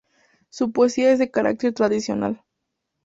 Su poesía es de carácter tradicional.